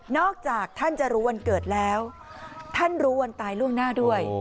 จากท่านจะรู้วันเกิดแล้วท่านรู้วันตายล่วงหน้าด้วย